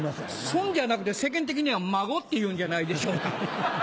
「ソン」じゃなくて世間的には『孫』っていうんじゃないでしょうか？